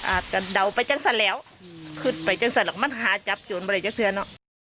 อาจจะเดาไปจังสรรค์แล้วขึ้นไปจังสรรค์แล้วมันหาจับโจทย์มาเลยจังสรรค์เนาะ